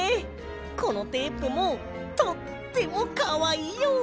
このテープもとってもかわいいよ！